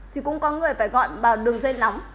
thì cũng có người phải gọi vào đường dây nóng